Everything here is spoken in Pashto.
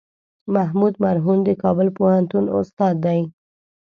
محمود مرهون د کابل پوهنتون استاد دی.